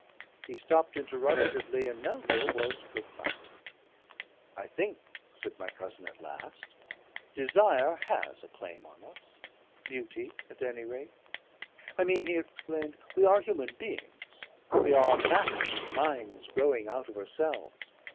He stopped interrogatively and Melville was profound. "I think," said my cousin at last, "Desire has a claim on us. Beauty, at any rate "I mean," he explained, "we are human beings. We are matter with minds growing out of ourselves.